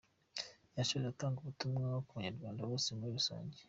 Yasoje atanga ubutumwa ku banyarwanda bose muri rusange.